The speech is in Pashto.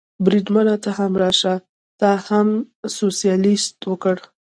بریدمنه، ته هم راشه، تا به هم سوسیالیست کړو.